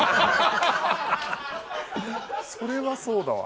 それはそうだわ。